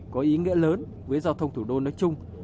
có ý nghĩa lớn với giao thông thủ đô nói chung